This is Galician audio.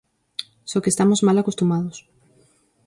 Só que estamos mal acostumados.